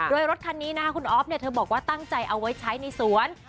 โดยรถคันนี้นะคะคุณอ๊อฟเธอบอกว่าตั้งใจเอาไว้ใช้ในสวน